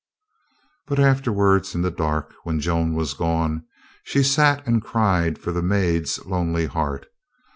But afterwards in the dark when Joan was gone she sat and cried for the maid's lonely heart.